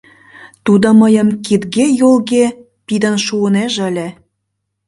Тудо мыйым кидге-йолге пидын шуынеже ыле.